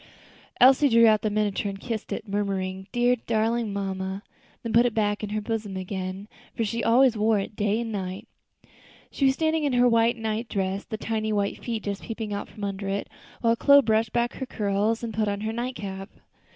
Elsie drew out the miniature and kissed it, murmuring, "Dear, darling mamma," then put it back in her bosom again, for she always wore it day and night. She was standing in her white night dress, the tiny white feet just peeping from under it, while Chloe brushed back her curls and put on her night cap.